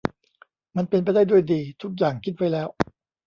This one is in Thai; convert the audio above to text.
มันเป็นไปได้ด้วยดี ทุกอย่างคิดไว้แล้ว